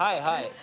はい。